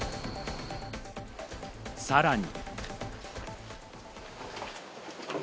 さらに。